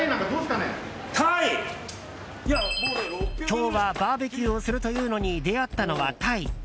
今日はバーベキューをするというのに出会ったのはタイ。